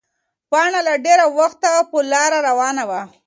پاڼه له ډېره وخته په لاره روانه وه.